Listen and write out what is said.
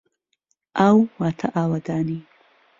ئاو واتە ئاوەدانی.